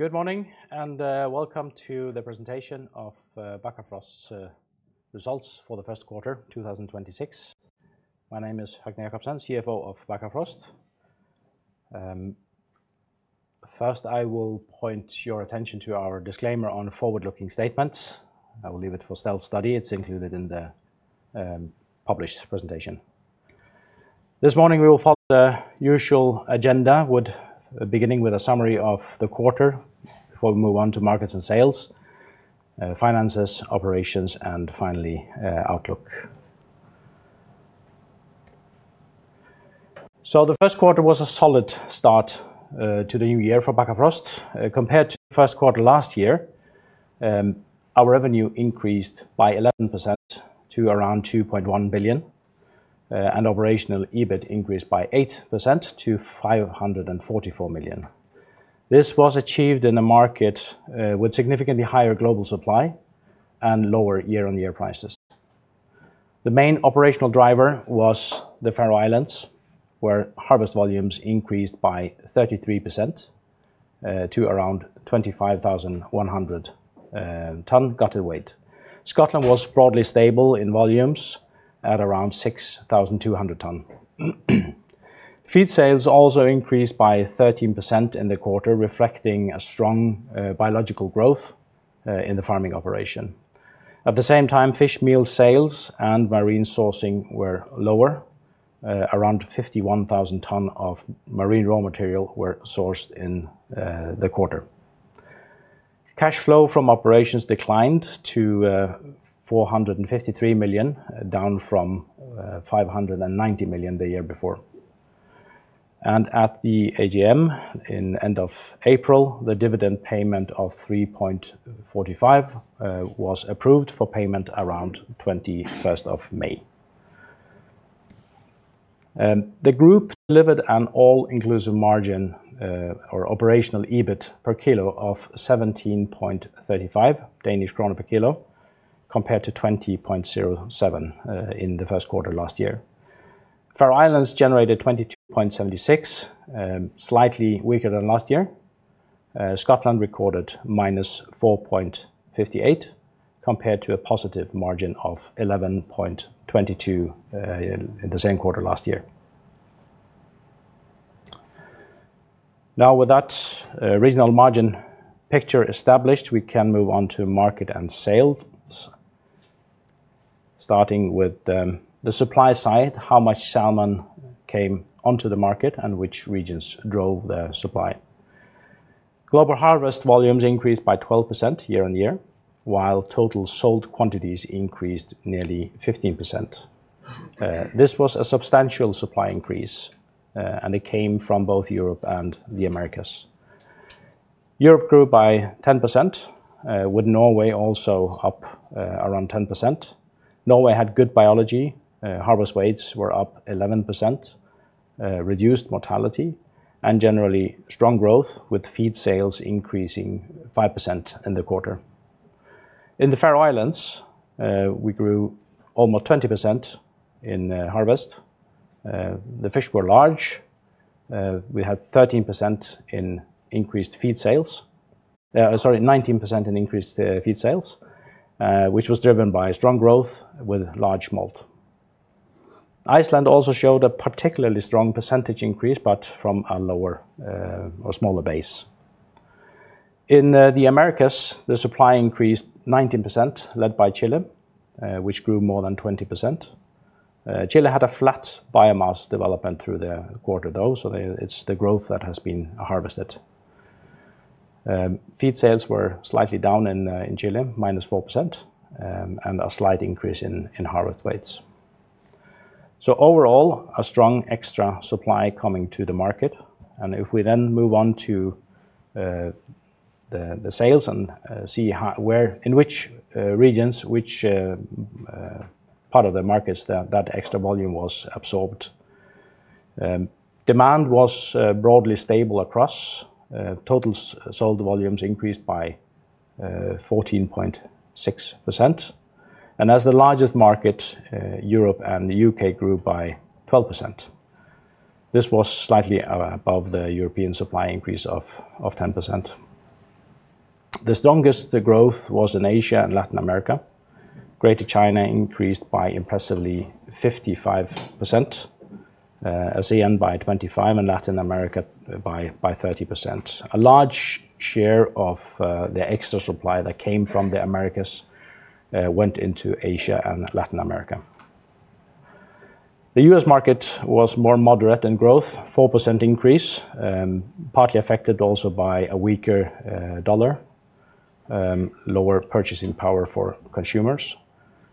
Good morning and welcome to the presentation of Bakkafrost's results for the first quarter 2026. My name is Høgni Jakobsen, CFO of Bakkafrost. I will point your attention to our disclaimer on forward-looking statements. I will leave it for self-study. It's included in the published presentation. This morning, we will follow the usual agenda with beginning with a summary of the quarter before we move on to markets and sales, finances, operations, and finally, outlook. The first quarter was a solid start to the new year for Bakkafrost. Compared to first quarter last year, our revenue increased by 11% to around 2.1 billion, and operational EBIT increased by 8% to 544 million. This was achieved in a market with significantly higher global supply and lower year-on-year prices. The main operational driver was the Faroe Islands, where harvest volumes increased by 33%, to around 25,100 ton gutted weight. Scotland was broadly stable in volumes at around 6,200 ton. Feed sales also increased by 13% in the quarter, reflecting a strong biological growth in the farming operation. At the same time, fish meal sales and marine sourcing were lower. Around 51,000 ton of marine raw material were sourced in the quarter. Cash flow from operations declined to 453 million, down from 590 million the year before. At the AGM in end of April, the dividend payment of 3.45 was approved for payment around May 21st. The group delivered an all-inclusive margin, or operational EBIT per kilo of 17.35 Danish kroner per kilo compared to 20.07 in the first quarter last year. Faroe Islands generated 22.76, slightly weaker than last year. Scotland recorded -4.58 compared to a positive margin of 11.22 in the same quarter last year. With that regional margin picture established, we can move on to market and sales, starting with the supply side, how much salmon came onto the market and which regions drove the supply. Global harvest volumes increased by 12% year-on-year, while total sold quantities increased nearly 15%. This was a substantial supply increase, it came from both Europe and the Americas. Europe grew by 10%, with Norway also up around 10%. Norway had good biology. Harvest weights were up 11%. Reduced mortality and generally strong growth with feed sales increasing 5% in the quarter. In the Faroe Islands, we grew almost 20% in harvest. The fish were large. We had 13% in increased feed sales. Sorry, 19% in increased feed sales, which was driven by strong growth with large smolt. Iceland also showed a particularly strong percentage increase, from a lower or smaller base. In the Americas, the supply increased 19% led by Chile, which grew more than 20%. Chile had a flat biomass development through the quarter, though, it's the growth that has been harvested. Feed sales were slightly down in Chile, -4%, and a slight increase in harvest weights. Overall, a strong extra supply coming to the market. If we then move on to the sales and see in which regions, which part of the markets that extra volume was absorbed. Demand was broadly stable across. Total sold volumes increased by 14.6%. As the largest market, Europe and the U.K. grew by 12%. This was slightly above the European supply increase of 10%. The strongest growth was in Asia and Latin America. Greater China increased by impressively 55%, ASEAN by 25%, and Latin America by 30%. A large share of the extra supply that came from the Americas went into Asia and Latin America. The U.S. market was more moderate in growth, a 4% increase, partly affected also by a weaker dollar, lower purchasing power for consumers.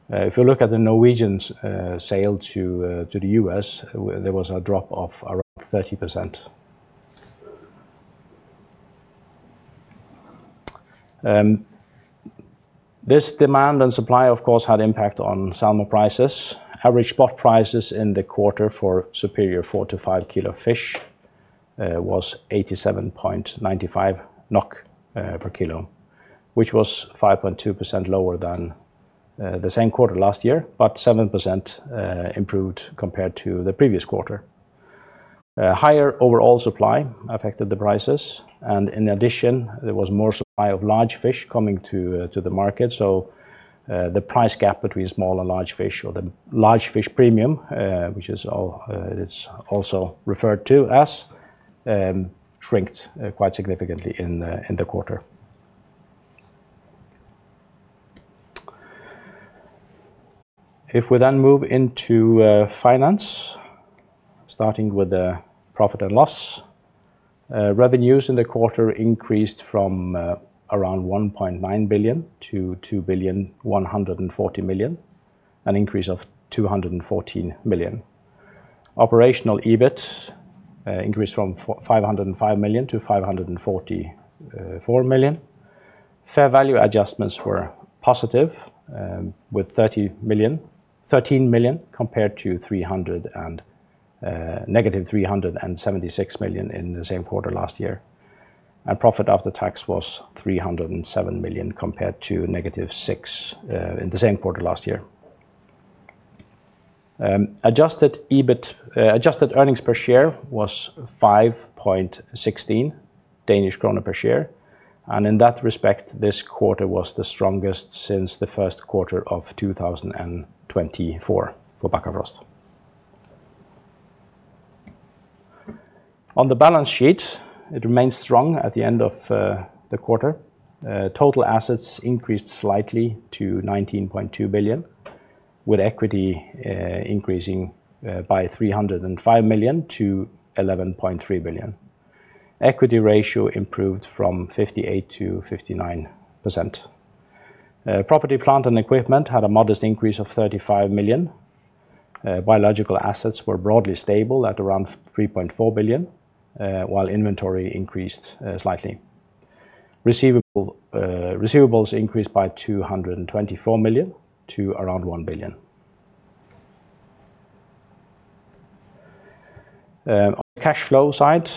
If you look at the Norwegians' sale to the U.S., there was a drop of around 30%. This demand and supply, of course, had impact on salmon prices. Average spot prices in the quarter for superior 4kilo-5 kilo fish was 87.95 NOK per kilo, which was 5.2% lower than the same quarter last year, but 7% improved compared to the previous quarter. Higher overall supply affected the prices, in addition, there was more supply of large fish coming to the market. The price gap between small and large fish, or the large fish premium, which is it's also referred to as, shrinked quite significantly in the quarter. If we then move into finance, starting with the Profit and Loss. Revenues in the quarter increased from around 1.9 billion-2.14 billion, an increase of 214 million. Operational EBIT increased from 505 million-544 million. Fair value adjustments were positive with 13 million compared to -376 million in the same quarter last year. Profit after tax was 307 million compared to -6 million in the same quarter last year. Adjusted EBIT adjusted earnings per share was 5.16 Danish krone per share. In that respect, this quarter was the strongest since the first quarter of 2024 for Bakkafrost. On the balance sheet, it remains strong at the end of the quarter. Total assets increased slightly to 19.2 billion, with equity increasing by 305 million-11.3 billion. Equity ratio improved from 58%-59%. Property plant and equipment had a modest increase of 35 million. Biological assets were broadly stable at around 3.4 billion, while inventory increased slightly. Receivables increased by 224 million to around 1 billion. On the cash flow side,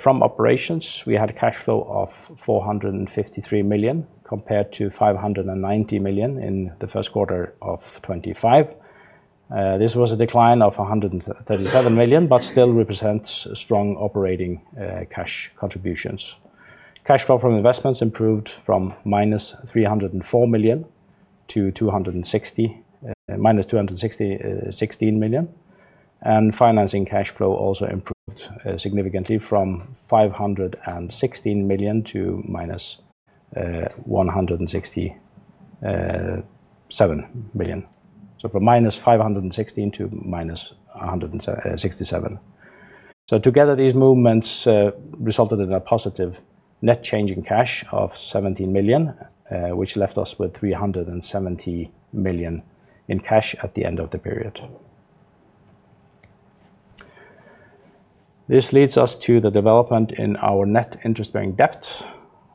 from operations, we had a cash flow of 453 million compared to 590 million in the first quarter of 2025. This was a decline of 137 million, but still represents strong operating cash contributions. Cash flow from investments improved from -304 million to -216 million. Financing cash flow also improved significantly from 516 million to -167 million. From -516 million to DKK-167 million. Together, these movements resulted in a positive net change in cash of 17 million, which left us with 370 million in cash at the end of the period. This leads us to the development in our net interest-bearing debt,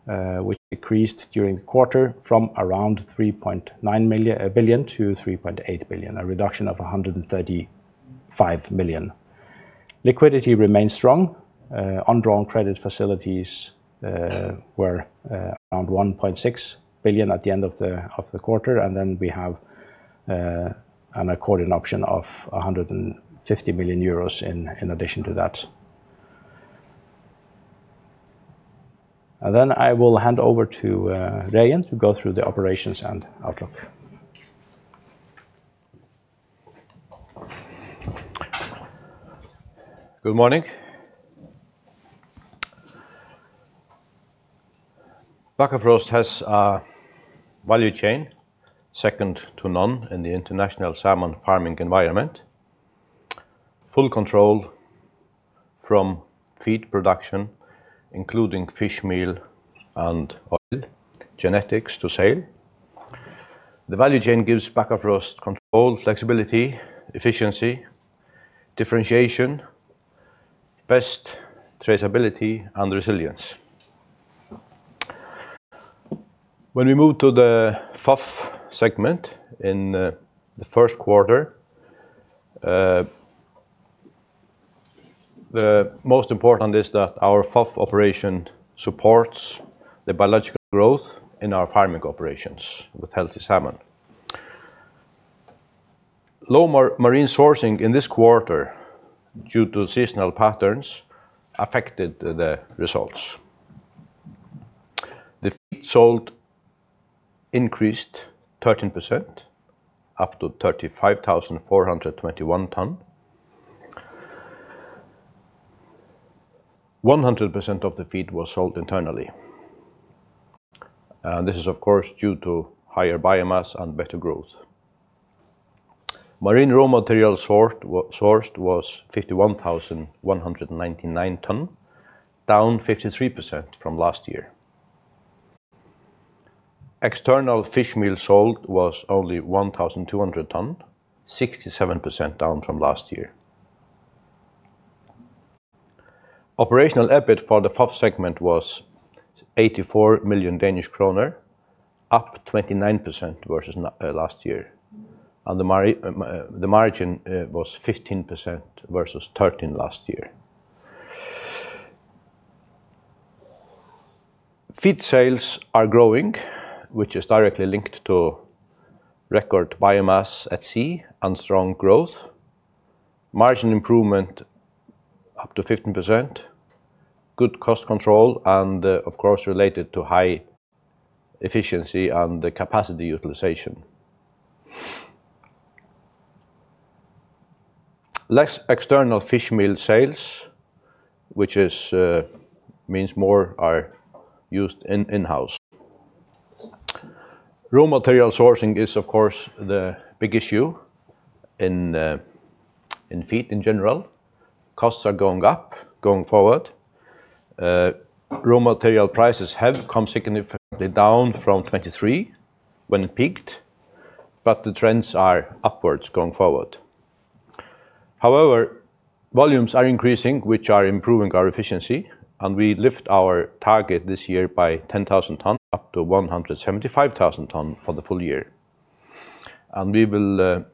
which decreased during the quarter from around 3.9 billion-3.8 billion, a reduction of 135 million. Liquidity remains strong. Undrawn credit facilities were around 1.6 billion at the end of the quarter, and we have an accordion option of 150 million euros in addition to that. I will hand over to Regin to go through the operations and outlook. Good morning. Bakkafrost has a value chain second to none in the international salmon farming environment. Full control from feed production, including fish meal and oil, genetics to sale. The value chain gives Bakkafrost control, flexibility, efficiency, differentiation, best traceability and resilience. When we move to the FOF segment in the first quarter, the most important is that our FOF operation supports the biological growth in our farming operations with healthy salmon. Low marine sourcing in this quarter due to seasonal patterns affected the results. The feed sold increased 13% up to 35,421 tons. 100% of the feed was sold internally. This is of course due to higher biomass and better growth. Marine raw material sourced was 51,199 tons, down 53% from last year. External fish meal sold was only 1,200 tons, 67% down from last year. Operational EBIT for the FOF segment was 84 million Danish kroner, up 29% versus last year. The margin was 15% versus 13% last year. Feed sales are growing, which is directly linked to record biomass at sea and strong growth. Margin improvement up to 15%. Good cost control, of course related to high efficiency and capacity utilization. Less external fish meal sales, which means more are used in-house. Raw material sourcing is of course the big issue in feed in general. Costs are going up going forward. Raw material prices have come significantly down from 2023 when it peaked, the trends are upwards going forward. Volumes are increasing, which are improving our efficiency, and we lift our target this year by 10,000 tons up to 175,000 tons for the full year. We will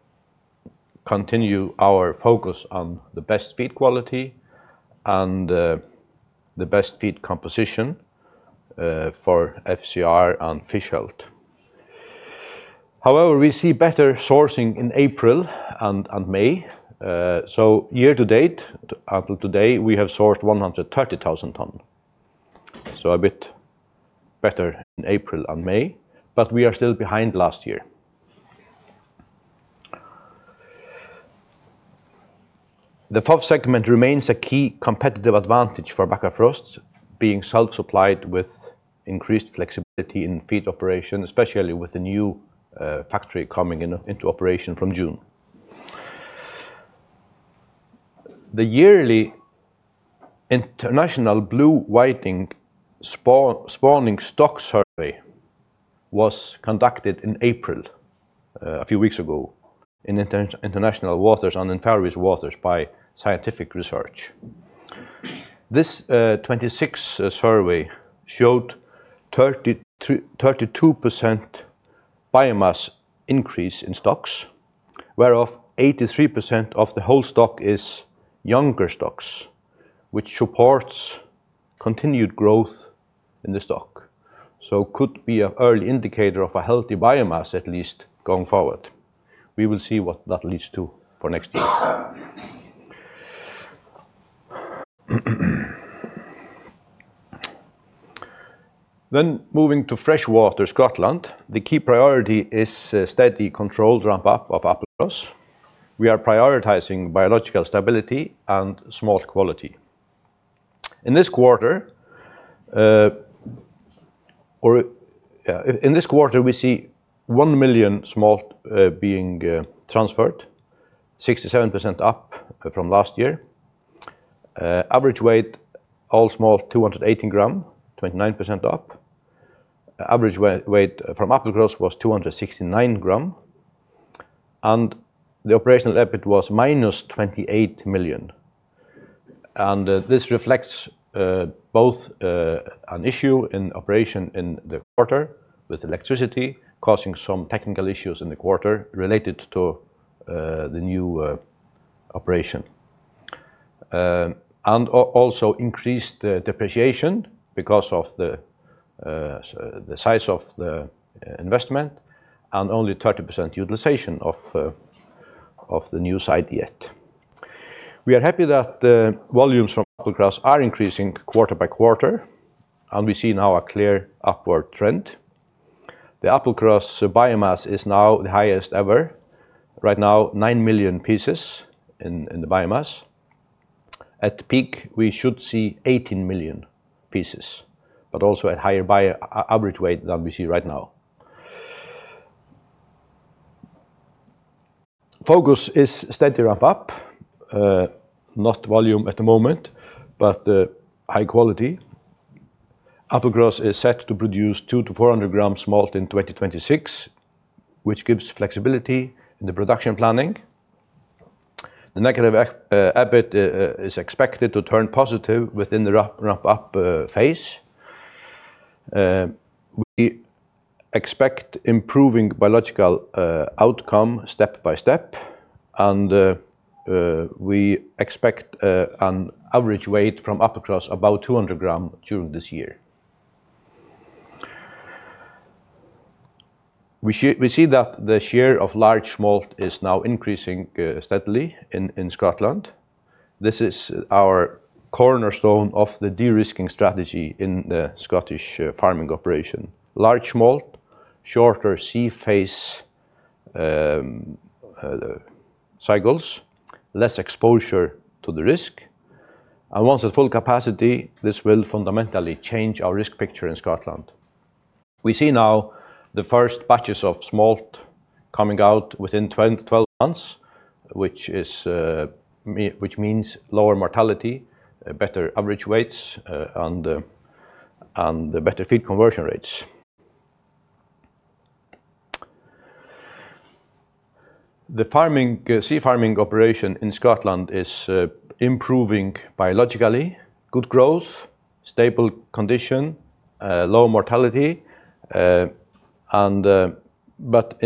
continue our focus on the best feed quality and the best feed composition for FCR and fish health. We see better sourcing in April and May. Year-to-date, until today, we have sourced 130,000 tons. A bit better in April and May, but we are still behind last year. The FOF segment remains a key competitive advantage for Bakkafrost being self-supplied with increased flexibility in feed operation, especially with the new factory coming into operation from June. The yearly International Blue Whiting Spawning Stock Survey was conducted in April, a few weeks ago in international waters and in Faroese waters by scientific research. This 26th survey showed 32% biomass increase in stocks, whereof 83% of the whole stock is younger stocks, which supports continued growth in the stock. Could be an early indicator of a healthy biomass, at least going forward. We will see what that leads to for next year. Moving to freshwater Scotland, the key priority is steady controlled ramp up of Applecross. We are prioritizing biological stability and smolt quality. In this quarter, we see one million smolt being transferred, 67% up from last year. Average weight, all smolt 280 g, 29% up. Average weight from Applecross was 269 g. The operational EBIT was -28 million. This reflects both an issue in operation in the quarter with electricity causing some technical issues in the quarter related to the new operation. Also increased depreciation because of the size of the investment and only 30% utilization of the new site yet. We are happy that the volumes from Applecross are increasing quarter-by-quarter, and we see now a clear upward trend. The Applecross biomass is now the highest ever, right now nine million pieces in the biomass. At peak, we should see 18 million pieces, also at higher average weight than we see right now. Focus is steady ramp up, not volume at the moment, but high quality. Bakkafrost is set to produce 200 g-400 g smolt in 2026, which gives flexibility in the production planning. The negative EBIT is expected to turn positive within the ramp up phase. We expect improving biological outcome step by step, and we expect an average weight from Bakkafrost about 200 g during this year. We see that the share of large smolt is now increasing steadily in Scotland. This is our cornerstone of the de-risking strategy in the Scottish farming operation. Large smolt, shorter sea phase cycles, less exposure to the risk. Once at full capacity, this will fundamentally change our risk picture in Scotland. We see now the first batches of smolt coming out within 12 months, which means lower mortality, better average weights, and better feed conversion rates. The farming, sea farming operation in Scotland is improving biologically. Good growth, stable condition, low mortality. In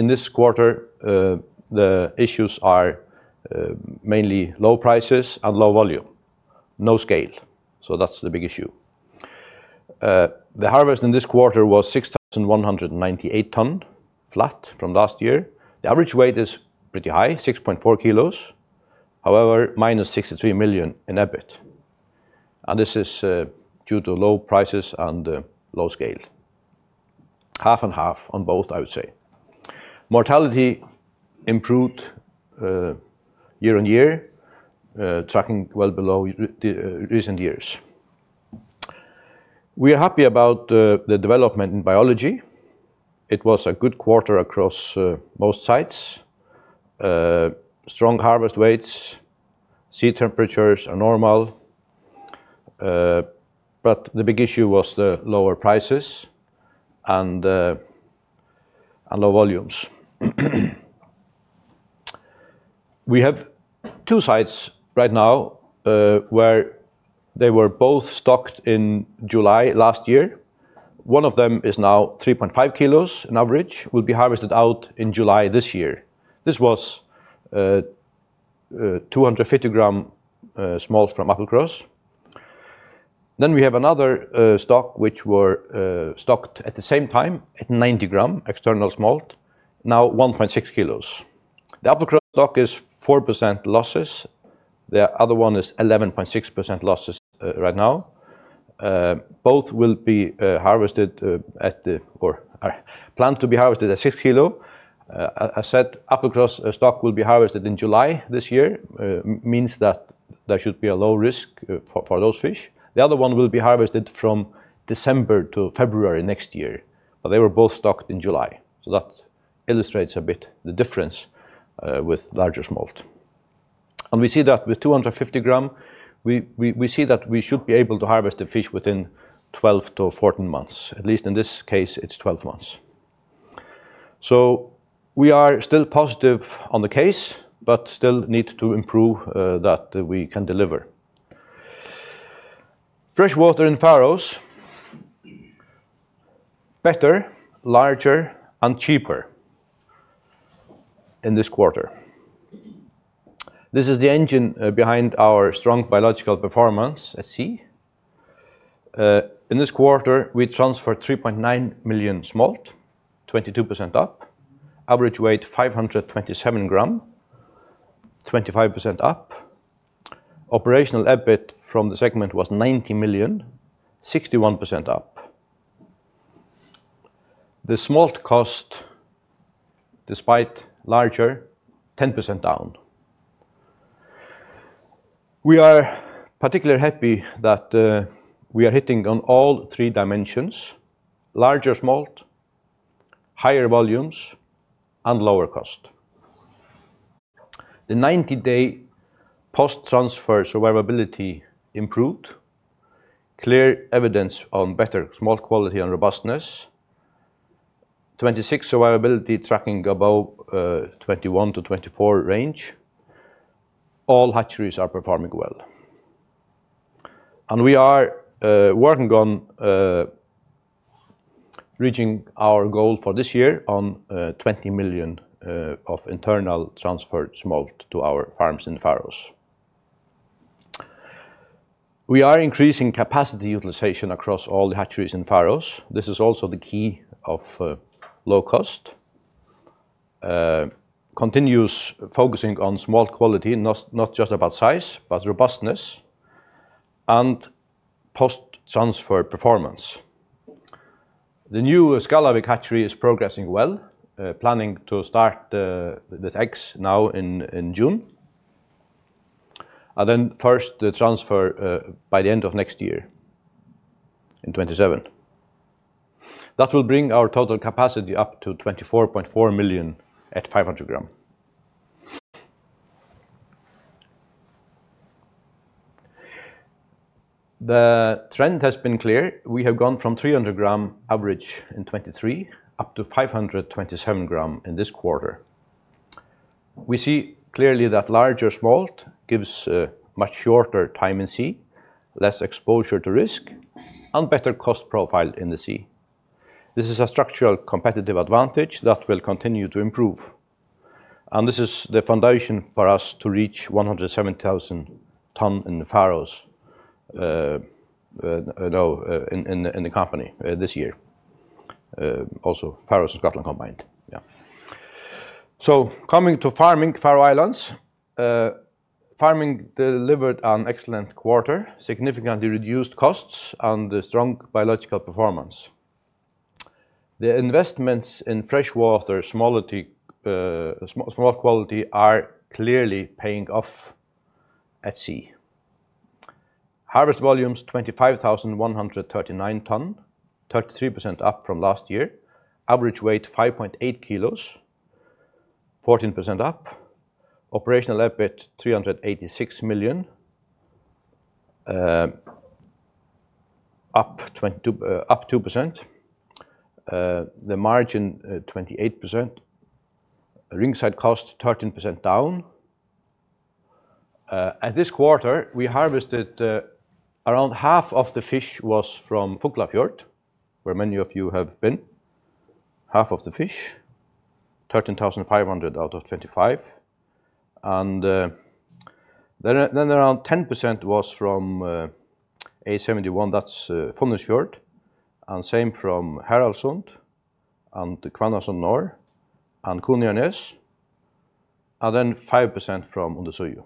this quarter, the issues are mainly low prices and low volume, no scale. That's the big issue. The harvest in this quarter was 6,198 ton, flat from last year. The average weight is pretty high, 6.4 kg. However, -63 million in EBIT. This is due to low prices and low scale. Half and half on both, I would say. Mortality improved year on year, tracking well below recent years. We are happy about the development in biology. It was a good quarter across most sites. Strong harvest weights, sea temperatures are normal. The big issue was the lower prices and low volumes. We have two sites right now where they were both stocked in July last year. One of them is now 3.5 kg on average, will be harvested out in July this year. This was a 250 g smolt from Applecross. We have another stock which were stocked at the same time at 90 g external smolt, now 1.6 kg. The Applecross stock is 4% losses. The other one is 11.6% losses right now. Both will be harvested at the or are planned to be harvested at 6 kg. As said, Bakkafrost stock will be harvested in July this year, means that there should be a low risk for those fish. The other one will be harvested from December to February next year, but they were both stocked in July. That illustrates a bit the difference with larger smolt. We see that with 250 g, we see that we should be able to harvest the fish within 12-14 months. At least in this case, it's 12 months. We are still positive on the case, but still need to improve that we can deliver. Fresh water in Faroe, better, larger and cheaper in this quarter. This is the engine behind our strong biological performance at sea. In this quarter, we transferred 3.9 million smolt, 22% up. Average weight 527 g, 25% up. Operational EBIT from the segment was 90 million, 61% up. The smolt cost, despite larger, 10% down. We are particularly happy that we are hitting on all three dimensions, larger smolt, higher volumes and lower cost. The 90-day post-transfer survivability improved. Clear evidence on better smolt quality and robustness. 26 survivability tracking above 21-24 range. All hatcheries are performing well. We are working on reaching our goal for this year on 20 million of internal transferred smolt to our farms in Faroe. We are increasing capacity utilization across all the hatcheries in Faroe. This is also the key of low cost. Continuous focusing on smolt quality, not just about size, but robustness and post-transfer performance. The new Skálavík hatchery is progressing well, planning to start the eggs now in June. Then first the transfer by the end of next year in 2027. That will bring our total capacity up to 24.4 million at 500 g. The trend has been clear. We have gone from 300 g average in 2023 up to 527 g in this quarter. We see clearly that larger smolt gives much shorter time in sea, less exposure to risk and better cost profile in the sea. This is a structural competitive advantage that will continue to improve. This is the foundation for us to reach 107,000 ton in the Faroe Islands, you know, in the company this year. Also Faroe Islands and Scotland combined. Coming to farming Faroe Islands. Farming delivered an excellent quarter, significantly reduced costs and a strong biological performance. The investments in freshwater smolt quality are clearly paying off at sea. Harvest volumes 25,139 tons, 33% up from last year. Average weight 5.8 kg, 14% up. Operational EBIT DKK 386 million, up 2%. The margin, 28%. Ring-side cost 13% down. At this quarter, we harvested around half of the fish was from Fuglafjørður, where many of you have been. Half of the fish, 13,500 out of 25,139 tons. Then around 10% was from A-71, that's Funningsfjørður, and same from Haraldssund and Hvannasund Norð and Kunoyarnes, then 5% from Undir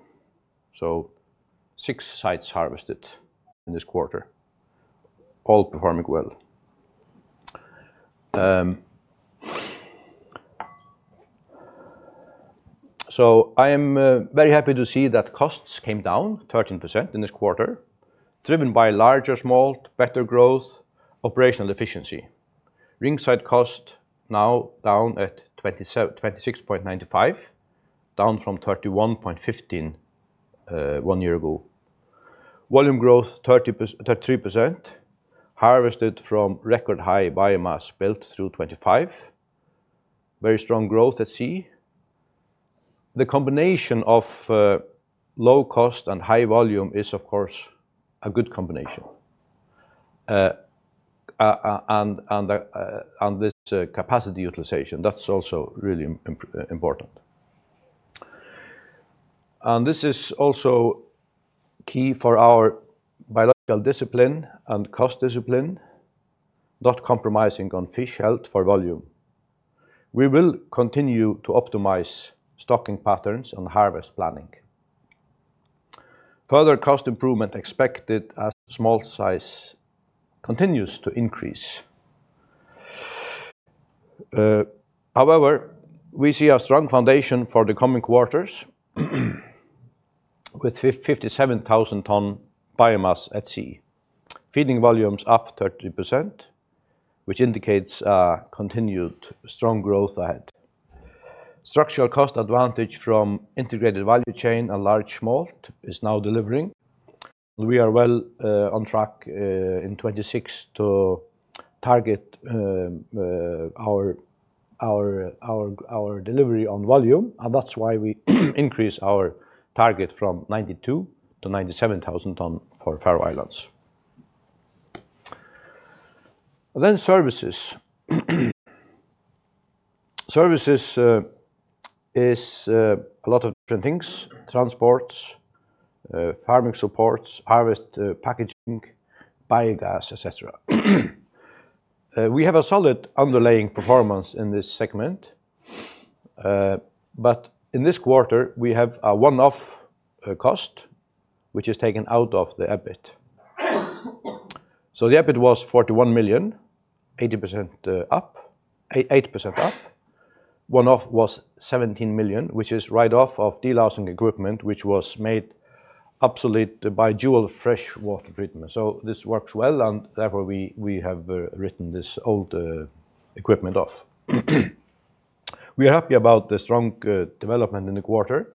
Eyju. Six sites harvested in this quarter, all performing well. I am very happy to see that costs came down 13% in this quarter, driven by larger smolt, better growth, operational efficiency. ring-side cost now down at 26.95, down from 31.15 one year ago. Volume growth 33% harvested from record high biomass built through 2025. Very strong growth at sea. The combination of low cost and high volume is of course a good combination. This capacity utilization, that's also really important. This is also key for our biological discipline and cost discipline, not compromising on fish health for volume. We will continue to optimize stocking patterns and harvest planning. Further cost improvement expected as smolt size continues to increase. However, we see a strong foundation for the coming quarters with 57,000 tons biomass at sea. Feeding volumes up 30%, which indicates continued strong growth ahead. Structural cost advantage from integrated value chain and large smolt is now delivering. We are well on track in 2026 to target our delivery on volume, and that's why we increase our target from 92,000-97,000 tons for Faroe Islands. Services. Services is a lot of different things, transports, farming supports, harvest, packaging, biogas, et cetera. We have a solid underlying performance in this segment. But in this quarter we have a one-off cost which is taken out of the EBIT. The EBIT was 41 million, 80% up. One-off was 17 million, which is write off of delousing equipment which was made obsolete by dual freshwater treatment. This works well and therefore we have written this old equipment off. We are happy about the strong development in the quarter.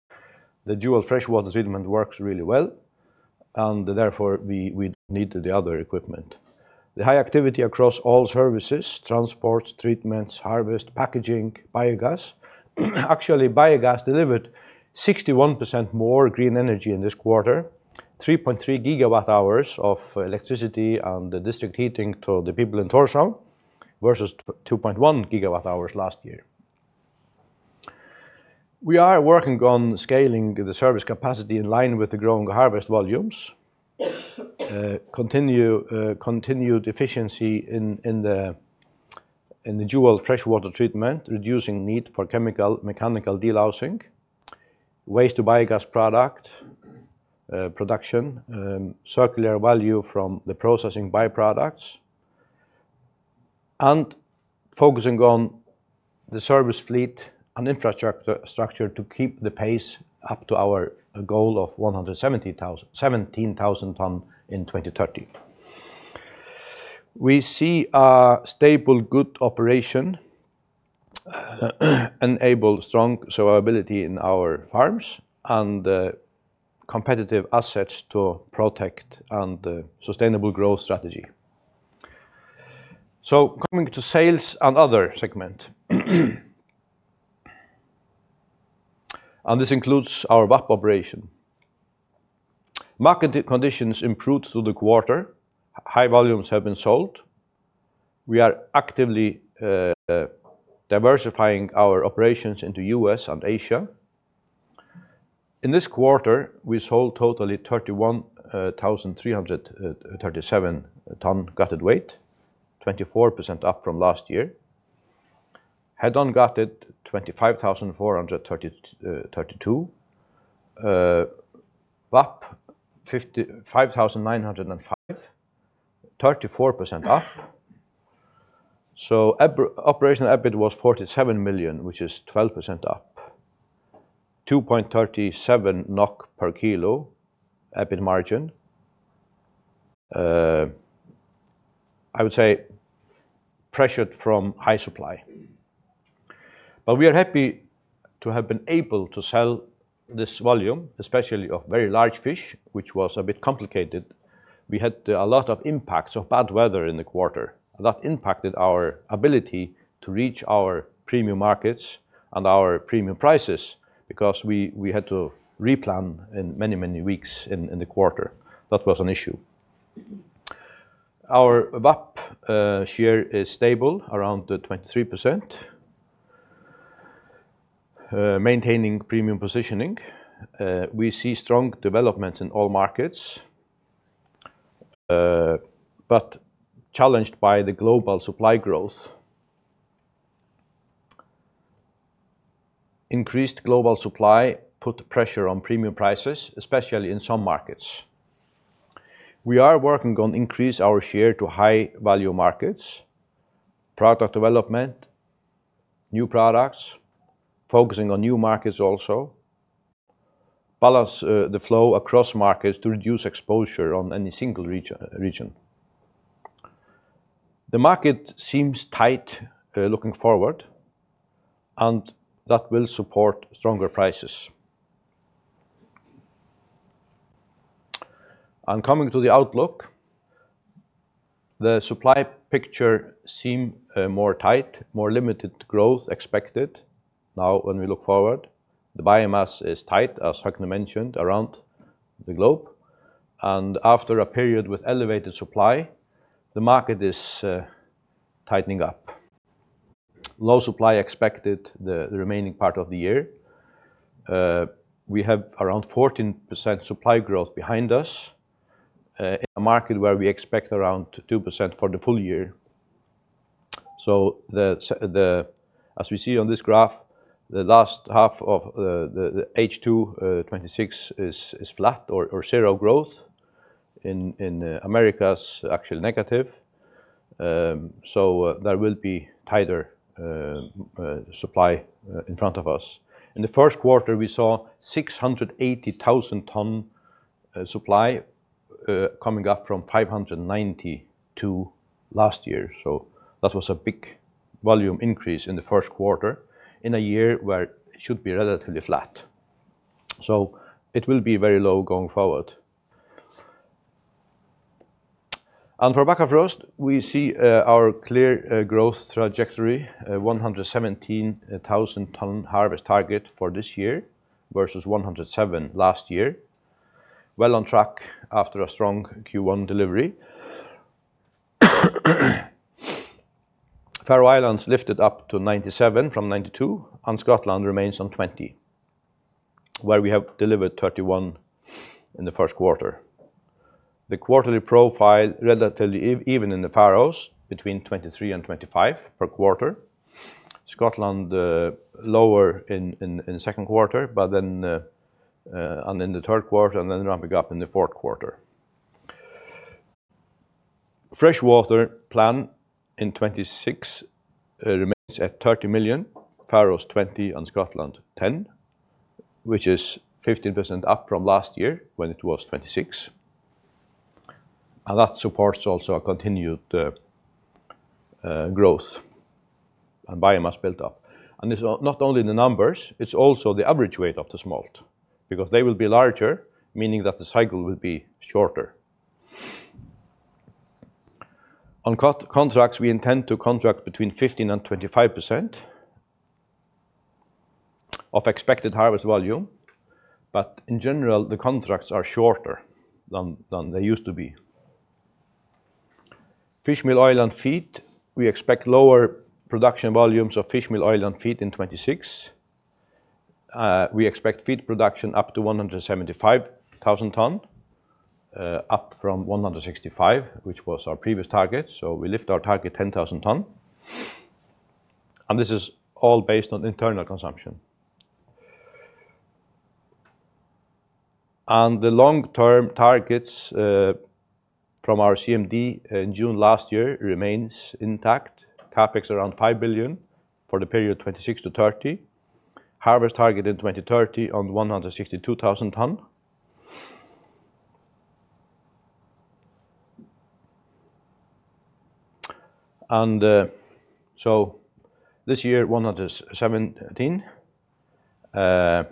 The dual freshwater treatment works really well and therefore we need the other equipment. The high activity across all services, transports, treatments, harvest, packaging, biogas. Actually, biogas delivered 61% more green energy in this quarter, 3.3 GWh of electricity and the district heating to the people in Tórshavn versus 2.1 GWh last year. We are working on scaling the service capacity in line with the growing harvest volumes. Continued efficiency in the dual freshwater treatment, reducing need for chemical mechanical delousing. Waste to biogas product production, circular value from the processing byproducts, focusing on the service fleet and infrastructure to keep the pace up to our goal of 17,000 ton in 2030. We see a stable good operation enable strong survivability in our farms and competitive assets to protect and sustainable growth strategy. Coming to sales and other segment. This includes our VAP operation. Market conditions improved through the quarter. High volumes have been sold. We are actively diversifying our operations into U.S. and Asia. In this quarter, we sold totally 31,337 ton gutted weight, 24% up from last year. Had been gutted 25,432 ton. VAP 5,905, 34% up. Operational EBIT was 47 million, which is 12% up. 2.37 NOK per kilo EBIT margin. I would say pressured from high supply. We are happy to have been able to sell this volume, especially of very large fish, which was a bit complicated. We had a lot of impacts of bad weather in the quarter. That impacted our ability to reach our premium markets and our premium prices because we had to replan in many, many weeks in the quarter. That was an issue. Our VAP share is stable around the 23%. Maintaining premium positioning. We see strong developments in all markets, challenged by the global supply growth. Increased global supply put pressure on premium prices, especially in some markets. We are working on increase our share to high value markets, product development, new products, focusing on new markets also, balance the flow across markets to reduce exposure on any single region. The market seems tight looking forward, and that will support stronger prices. Coming to the outlook, the supply picture seem more tight, more limited growth expected now when we look forward. The biomass is tight, as Høgni mentioned, around the globe. After a period with elevated supply, the market is tightening up. Low supply expected the remaining part of the year. We have around 14% supply growth behind us in a market where we expect around 2% for the full year. As we see on this graph, the last half of the H2 2026 is flat or zero growth. In Americas, actually negative. There will be tighter supply in front of us. In the first quarter, we saw 680,000 tons supply coming up from 592 tons last year. That was a big volume increase in the first quarter in a year where it should be relatively flat. It will be very low going forward. For Bakkafrost, we see our clear growth trajectory, 117,000 tons harvest target for this year versus 107,000 tons last year. Well on track after a strong Q1 delivery. Faroe Islands lifted up to 97,000 tons from 92,000 tons, Scotland remains on 20,000 tons, where we have delivered 31,000 tons in the first quarter. The quarterly profile relatively even in the Faroe between 23,000 tons and 25,000 tons per quarter. Scotland lower in the second quarter, but then in the third quarter, and then ramping up in the fourth quarter. Freshwater plan in 2026 remains at 30 million, Faroe 20 million and Scotland 10 million, which is 15% up from last year when it was 26 million. That supports also a continued growth and biomass built up. It's not only the numbers, it's also the average weight of the smolt because they will be larger, meaning that the cycle will be shorter. On contracts, we intend to contract between 15% and 25% of expected harvest volume. In general, the contracts are shorter than they used to be. Fishmeal, oil, and feed, we expect lower production volumes of fishmeal, oil, and feed in 2026. We expect feed production up to 175,000 tons, up from 165,000 tons, which was our previous target. We lift our target 10,000 tons. This is all based on internal consumption. The long-term targets from our CMD in June last year remains intact. CapEx around 5 billion for the period 2026 to 2030. Harvest target in 2030 on 162,000 tons. This year, 117,000 tons,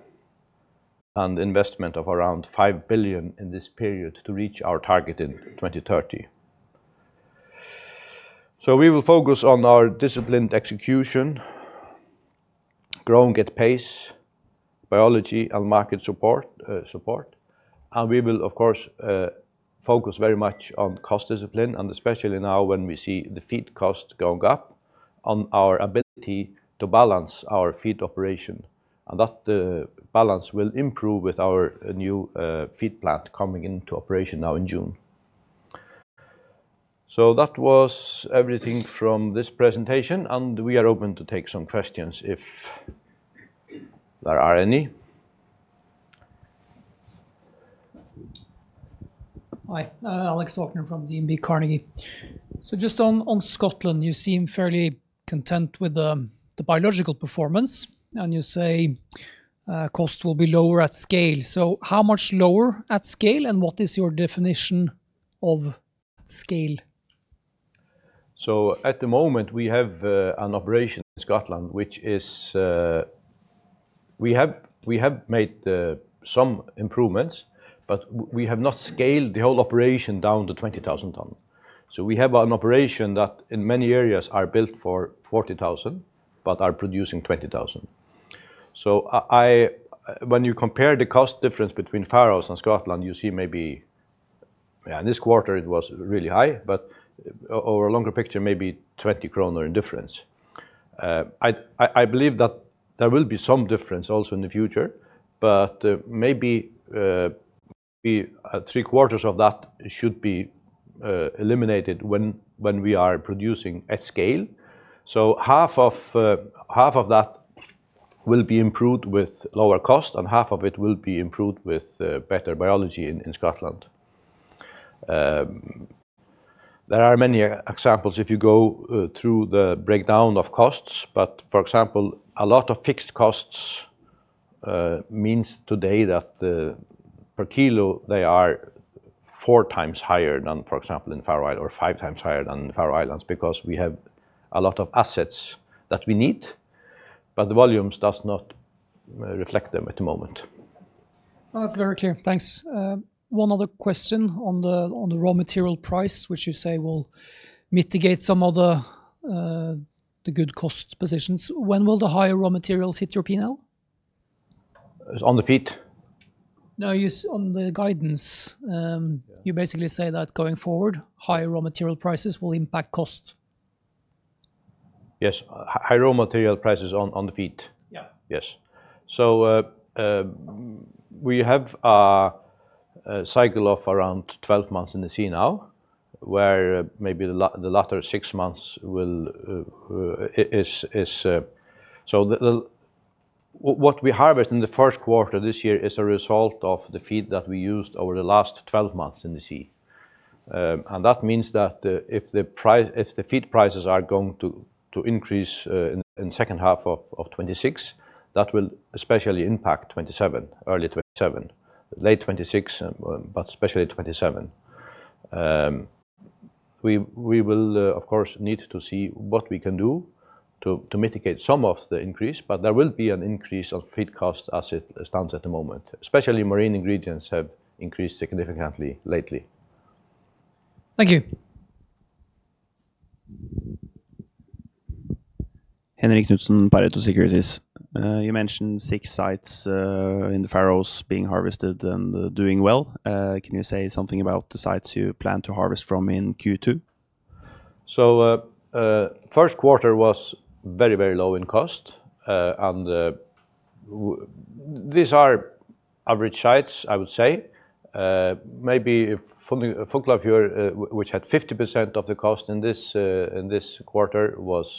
and investment of around 5 billion in this period to reach our target in 2030. We will focus on our disciplined execution, growing at pace, biology and market support. We will, of course, focus very much on cost discipline, especially now when we see the feed cost going up on our ability to balance our feed operation. That balance will improve with our new feed plant coming into operation now in June. That was everything from this presentation, and we are open to take some questions if there are any. Hi, Alex Aukner from DNB Carnegie. Just on Scotland, you seem fairly content with the biological performance, and you say cost will be lower at scale. How much lower at scale, and what is your definition of scale? At the moment, we have an operation in Scotland, which is We have made some improvements, but we have not scaled the whole operation down to 20,000 tons. We have an operation that in many areas are built for 40,000 tons but are producing 20,000 tons. When you compare the cost difference between Faroe and Scotland, you see maybe in this quarter it was really high, but over a longer picture, maybe 20 kroner difference. I believe that there will be some difference also in the future, but maybe three quarters of that should be eliminated when we are producing at scale. Half of that will be improved with lower cost, and half of it will be improved with better biology in Scotland. There are many examples if you go through the breakdown of costs, but for example, a lot of fixed costs means today that per kilo they are four times higher than, for example, in Faroe or 5x higher than Faroe Islands because we have a lot of assets that we need, but the volumes does not reflect them at the moment. That's very clear. Thanks. One other question on the raw material price, which you say will mitigate some of the good cost positions. When will the higher raw materials hit your P&L? On the feed? No, you on the guidance. Yeah. You basically say that going forward, higher raw material prices will impact cost. Yes. High raw material prices on the feed. Yeah. Yes. We have a cycle of around 12 months in the sea now. What we harvest in the first quarter this year is a result of the feed that we used over the last 12 months in the sea. That means that if the feed prices are going to increase in second half of 2026, that will especially impact 2027, early 2027. Late 2026, but especially 2027. We will of course, need to see what we can do to mitigate some of the increase, but there will be an increase of feed cost as it stands at the moment. Especially marine ingredients have increased significantly lately. Thank you. Henrik Knutsen, Pareto Securities. You mentioned six sites in the Faroe being harvested and doing well. Can you say something about the sites you plan to harvest from in Q2? First quarter was very low in cost. These are average sites, I would say. Maybe if Fuglafjørður, which had 50% of the cost in this quarter was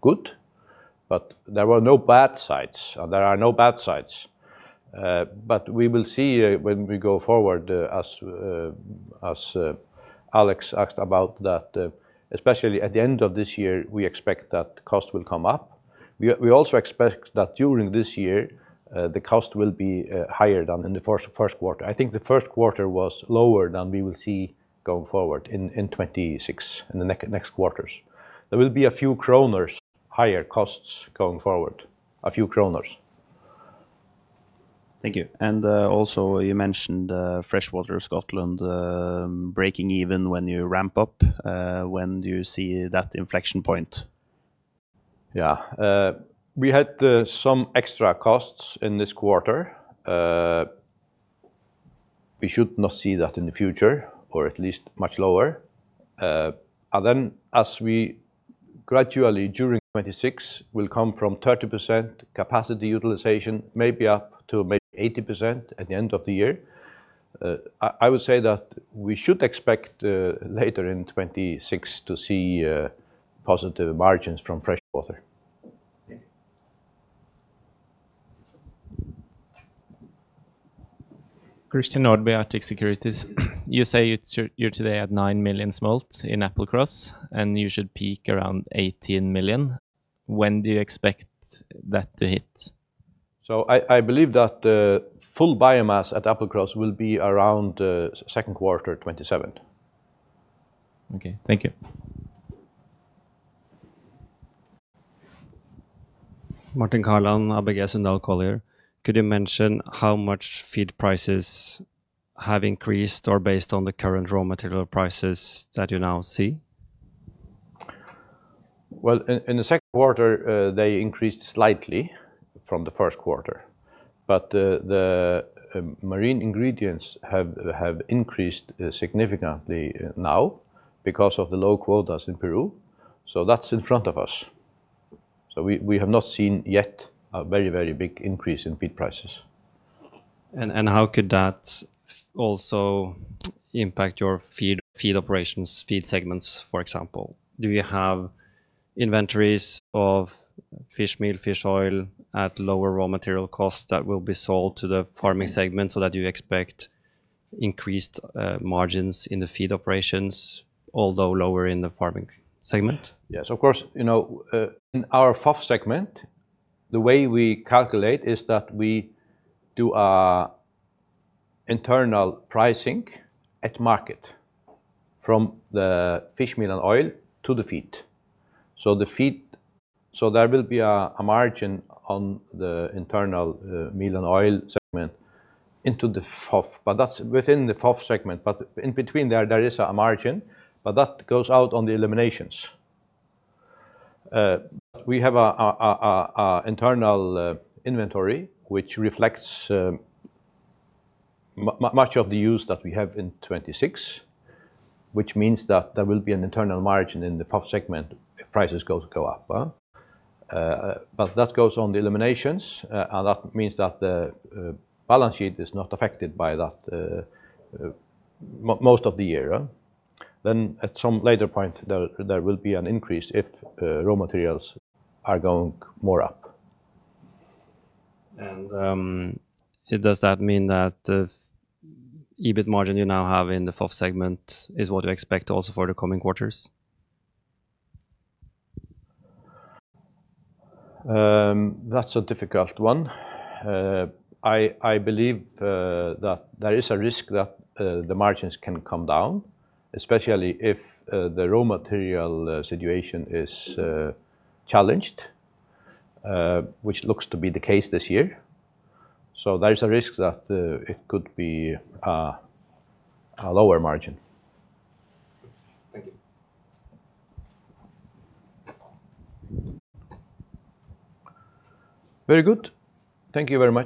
good. There were no bad sites. There are no bad sites. We will see, when we go forward, as Alex Aukner asked about that, especially at the end of this year, we expect that cost will come up. We also expect that during this year, the cost will be higher than in the first quarter. I think the first quarter was lower than we will see going forward in 2026, in the next quarters. There will be a few kroner higher costs going forward. A few kroner. Thank you. Also you mentioned freshwater Scotland breaking even when you ramp up. When do you see that inflection point? We had some extra costs in this quarter. We should not see that in the future, or at least much lower. As we gradually during 2026 will come from 30% capacity utilization, maybe up to maybe 80% at the end of the year. I would say that we should expect later in 2026 to see positive margins from freshwater. Okay. Christian Nordby, Arctic Securities. You say you you're today at nine million smolt in Bakkafrost, and you should peak around 18 million. When do you expect that to hit? I believe that the full biomass at Bakkafrost will be around second quarter 2027. Okay. Thank you. Martin Kaland, ABG Sundal Collier. Could you mention how much feed prices have increased or based on the current raw material prices that you now see? Well, in the second quarter, they increased slightly from the first quarter, but the marine ingredients have increased significantly now because of the low quotas in Peru. That's in front of us. We have not seen yet a very big increase in feed prices. How could that also impact your feed operations, feed segments, for example? Do you have inventories of fish meal, fish oil at lower raw material costs that will be sold to the farming segment so that you expect increased margins in the feed operations, although lower in the farming segment? Yes, of course, you know, in our FOF segment, the way we calculate is that we do a internal pricing at market from the fish meal and oil to the feed. There will be a margin on the internal meal and oil segment into the FOF, but that's within the FOF segment. In between there is a margin, but that goes out on the eliminations. We have a internal inventory which reflects much of the use that we have in 2026, which means that there will be an internal margin in the FOF segment if prices go up. That goes on the eliminations. That means that the balance sheet is not affected by that most of the year. At some later point, there will be an increase if raw materials are going more up. Does that mean that the EBIT margin you now have in the FOF segment is what you expect also for the coming quarters? That's a difficult one. I believe that there is a risk that the margins can come down, especially if the raw material situation is challenged, which looks to be the case this year. There is a risk that it could be a lower margin. Thank you. Very good. Thank you very much.